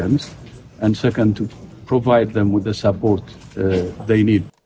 dan kedua untuk memberikan mereka bantuan yang mereka butuhkan